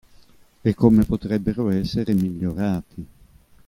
E come potrebbero essere migliorati.